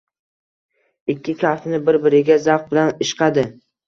Ikki kaftini bir-biriga zavq bilan ishqadi.